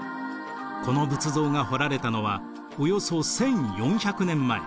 この仏像が彫られたのはおよそ１，４００年前。